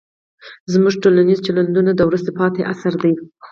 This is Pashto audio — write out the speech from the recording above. زموږ ټولنیز چلندونه د وروسته پاتې عصر دي.